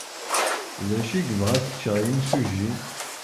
D acu ay yebɣa ad t-ččeɣ yimsujji?